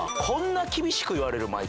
こんな厳しく言われる？